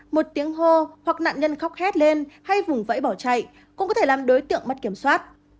một tiếng hô hoặc nạn nhân khóc hét lên hay vùng vẫy bỏ chạy cũng có thể làm đối tượng mất kiểm soát